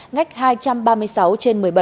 ngách hai trăm ba mươi sáu trên một mươi bảy